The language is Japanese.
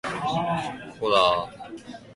パーパス